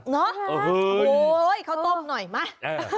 เนอะโอ้โฮเขาต้มหน่อยมา